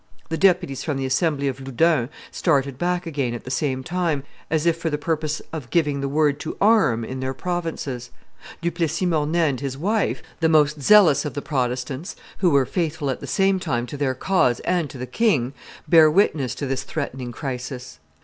The deputies from the assembly of Loudun started back again at the same time, as if for the purpose of giving the word to arm in their provinces. Du Plessis Mornay and his wife, the most zealous of the Protestants who were faithful at the same time to their cause and to the king, bear witness to this threatening crisis.